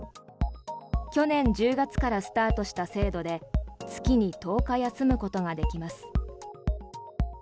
去年１０月からスタートした制度で月に１０日休むことができます。